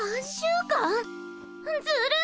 ずるい！